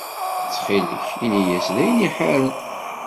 Ttxil-k, ini-as d ayen i iḥaren.